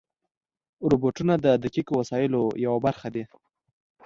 روبوټونه د دقیقو وسایلو یوه برخه دي.